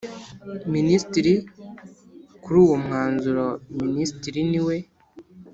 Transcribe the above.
Minisitiri kuri uwo mwanzuro minisitiri niwe